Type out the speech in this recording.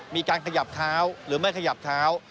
มีการขยับเท้าหรือไม่ขยับเท้า